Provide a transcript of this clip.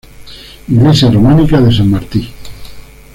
Iglesia románica de Sant Martí.